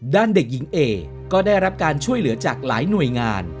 เด็กหญิงเอก็ได้รับการช่วยเหลือจากหลายหน่วยงาน